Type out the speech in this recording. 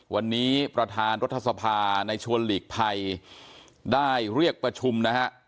วันนี้ประธานรัฐสภาในชวนหลีกภัยได้เรียกประชุมนะฮะ